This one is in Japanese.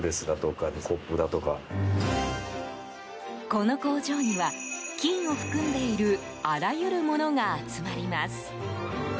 この工場には、金を含んでいるあらゆるものが集まります。